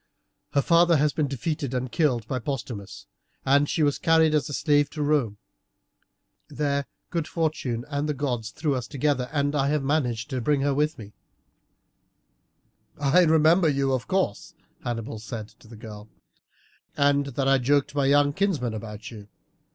Her father has been defeated and killed by Postumius, and she was carried as a slave to Rome. There good fortune and the gods threw us together, and I have managed to bring her with me." "I remember you, of course," Hannibal said to the girl, "and that I joked my young kinsman about you.